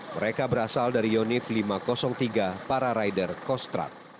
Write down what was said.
mereka berasal dari unit lima ratus tiga para rider kostrat